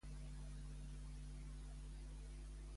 En què va esdevenir Livanates?